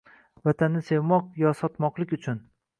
Vatanni sevmoq yo sotmoqlik uchun